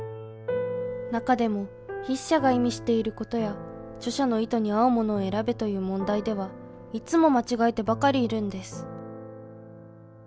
中でも筆者が意味していることや著者の意図に合うものを選べという問題ではいつも間違えてばかりいるんです。